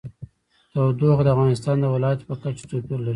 تودوخه د افغانستان د ولایاتو په کچه توپیر لري.